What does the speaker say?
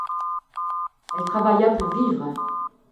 Elle travailla pour vivre.